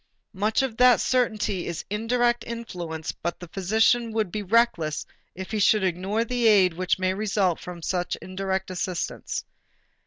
Much of that certainly is indirect influence but the physician would be reckless if he should ignore the aid which may result from such indirect assistance.